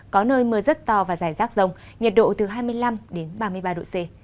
có nơi mưa rất to và giải sát rông nhiệt độ từ hai mươi năm ba mươi ba độ c